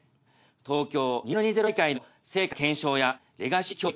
東京２０２０大会の成果検証やレガシー教育